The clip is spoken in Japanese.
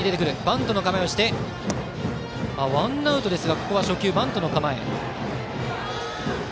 ワンアウトですが初球、バントの構え。